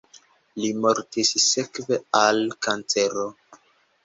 Li mortis sekve al kancero.